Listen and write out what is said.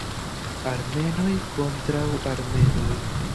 Armenoj kontraŭ Armenoj.